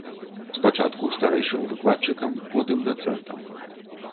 Спачатку старэйшым выкладчыкам, потым дацэнтам.